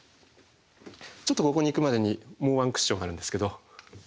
ちょっとここにいくまでにもうワンクッションあるんですけど。